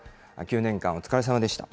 ９年間、お疲れさまでした。